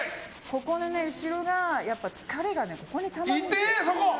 ここの後ろが疲れがここにたまるんです。